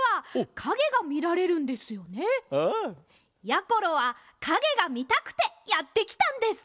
やころはかげがみたくてやってきたんです。